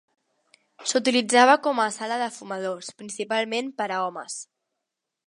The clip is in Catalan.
S'utilitzava com a sala de fumadors, principalment per a homes.